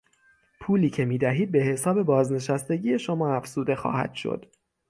پولی که میدهید به حساب بازنشستگی شما افزوده خواهد شد.